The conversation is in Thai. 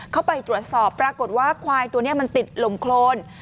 เข้าไปตรวจสอบปรากฏว่าควายตัวนี้มันติดลมโครน